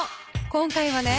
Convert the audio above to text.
今回はね